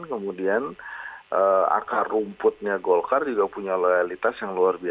kemudian akar rumputnya golkar juga punya loyalitas yang luar biasa